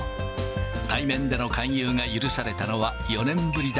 対面での勧誘が許されたのは４年ぶりだ。